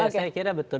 saya kira betul